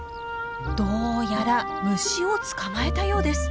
どうやら虫を捕まえたようです。